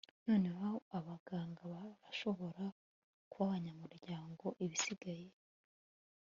Noneho abaganga barashobora kuba abanyamurwango Ibisigaye